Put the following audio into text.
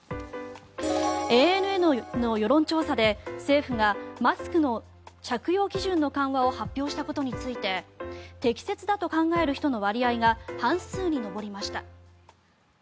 ＡＮＮの世論調査で政府がマスクの着用基準の緩和を発表したことについて適切だと考える人の割合が半数に上りました。